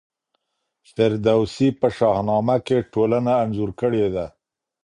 فردوسي په شاهنامه کي ټولنه انځور کړې ده.